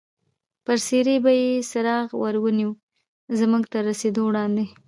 پر څېرې به یې څراغ ور ونیو، زموږ تر رسېدو وړاندې.